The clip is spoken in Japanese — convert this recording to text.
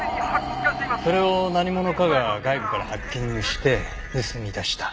それを何者かが外部からハッキングして盗み出した。